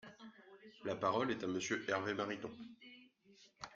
La parole est à Monsieur Hervé Mariton.